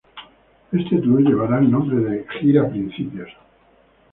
Este tour llevará el nombre de 'Gira Principios'.